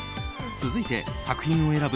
続いて作品を選ぶ